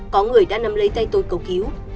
có người đã nắm lấy tay tôi cầu cứu